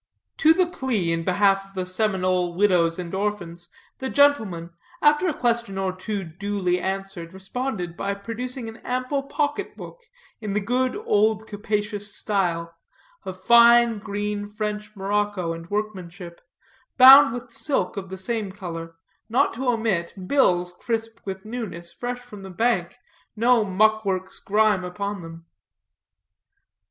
To the plea in behalf of the Seminole widows and orphans, the gentleman, after a question or two duly answered, responded by producing an ample pocket book in the good old capacious style, of fine green French morocco and workmanship, bound with silk of the same color, not to omit bills crisp with newness, fresh from the bank, no muckworms' grime upon them.